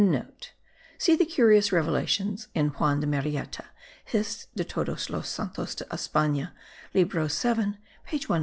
(* See the curious revelations in Juan de Marieta, Hist. de todos los Santos de Espana libro 7 page 174.)